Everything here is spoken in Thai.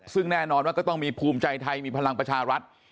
ซึ่งแน่นอนว่าก็ต้องมีภูมิใจไทยมีพลังประชารัฐ